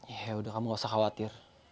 ya udah kamu gak usah khawatir